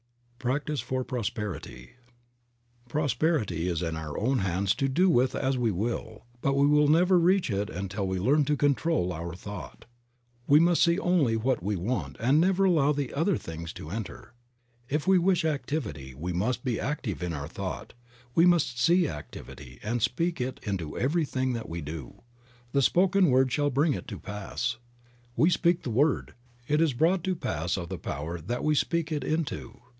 PRACTICE FOR PROSPERITY. PROSPERITY is in our own hands to do with as we will, but we will never reach it until we learn to control our thought. We must see only what we want and never allow the other things to enter. If we wish activity we must be active in our thought, we must see activity and speak it into everything that we do. The spoken word shall bring it to pass. We speak the word, it is brought to pass of the Power that we speak it into.